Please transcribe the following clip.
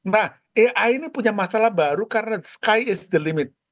nah ai ini punya masalah baru karena sky is the limit